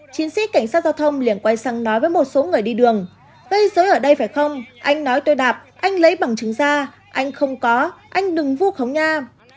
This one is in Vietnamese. chiến sĩ cảnh sát giao thông liền quay sang nói với một số người đi đường gây dối ở đây phải không anh nói tôi đạp anh lấy bằng chứng ra anh không có anh đừng vu khống nha